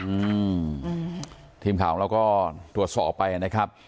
อืมทีมข่าวของเราก็ตรวจสอบไปนะครับ